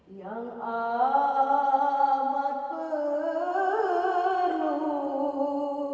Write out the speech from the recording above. yang amat perlu